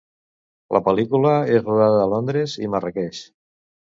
La pel·lícula és rodada a Londres i Marràqueix.